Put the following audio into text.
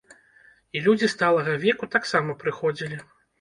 І людзі сталага веку таксама прыходзілі.